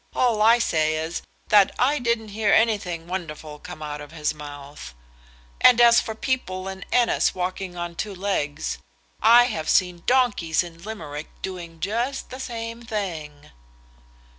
"All I say is, that I didn't hear anything wonderful come out of his mouth; and as for people in Ennis walking on two legs, I have seen donkeys in Limerick doing just the same thing."